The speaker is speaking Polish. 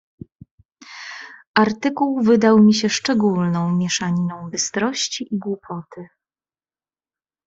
"Artykuł wydał mi się szczególną mieszaniną bystrości i głupoty."